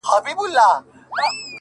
خو مخته دي ځان هر ځلي ملنگ در اچوم!